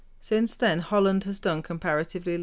Since then Holland has done comparatively little in art.